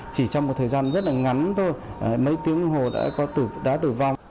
chỉ trong một thời gian rất là ngắn thôi mấy tiếng hồ đã tử vong